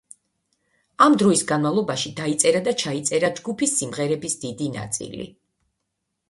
ამ დროის განმავლობაში დაიწერა და ჩაიწერა ჯგუფის სიმღერების დიდი ნაწილი.